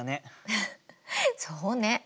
フフッそうね。